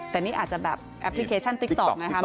แต่นี่อาจจะแบบแอปพลิเคชันติ๊กต๊อกไงครับ